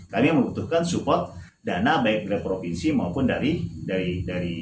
kami membutuhkan support dana baik dari provinsi maupun dari pusat seperti itu